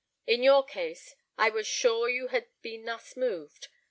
In your case, I was sure you had been thus moved.